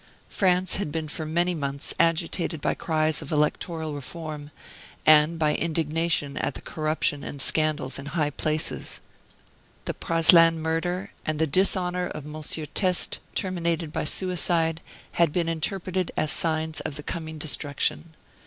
France had been for many months agitated by cries of electoral reform, and by indignation at the corruption and scandals in high places. The Praslin murder, and the dishonor of M. Teste, terminated by suicide, had been interpreted as signs of the coming destruction.